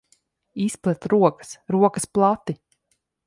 Izplet rokas. Rokas plati!